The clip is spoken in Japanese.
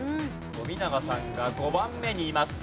富永さんが５番目にいます。